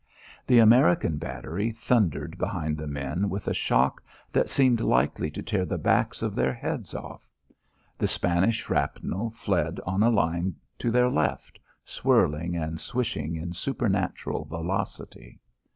The American battery thundered behind the men with a shock that seemed likely to tear the backs of their heads off. The Spanish shrapnel fled on a line to their left, swirling and swishing in supernatural velocity.